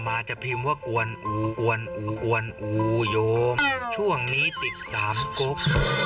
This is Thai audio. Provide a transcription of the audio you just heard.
อัตมาจะพิมพ์ว่าอ้วนโยมช่วงนี้ติดตามกก